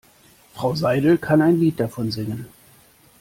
Frau Seidel kann ein Lied davon singen.